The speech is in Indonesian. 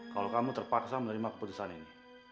kalau kamu terpaksa menerima keputusan ini